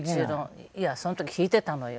いやその時弾いてたのよ。